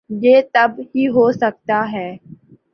یہ تب ہی ہو سکتا ہے۔